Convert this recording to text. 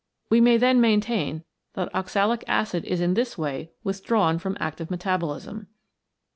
We may then maintain that oxalic acid is in this way withdrawn from active metabolism.